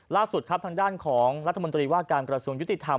ล่าสุดครับทางด้านของรัฐมนตรีว่าการกระทรวงยุติธรรม